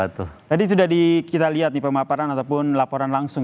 tadi sudah kita lihat nih pemaparan ataupun laporan langsung